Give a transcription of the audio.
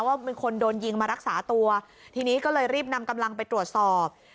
ว่ามีคนโดนยิงมารักษาตัวทีนี้ก็เลยรีบนำกำลังไปตรวจสอบ